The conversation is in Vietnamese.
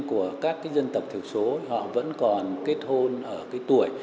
của các dân tộc thiểu số họ vẫn còn kết hôn ở cái tuổi